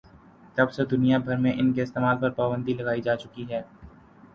تب سے دنیا بھر میں ان کے استعمال پر پابندی لگائی جاچکی ہے